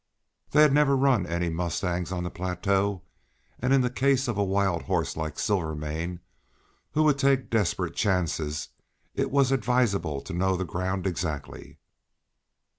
They had never run any mustangs on the plateau, and in the case of a wild horse like Silvermane, who would take desperate chances, it was advisable to know the ground exactly.